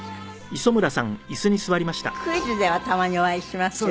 クイズではたまにお会いしますよね。